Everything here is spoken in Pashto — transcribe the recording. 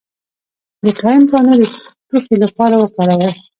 د تایم پاڼې د ټوخي لپاره وکاروئ